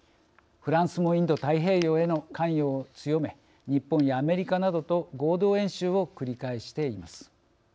フランスもインド太平洋への関与を強め日本やアメリカなどと合同演習を繰り返しています。